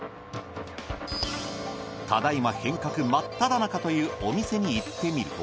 ただいま変革真っただ中というお店に行ってみると。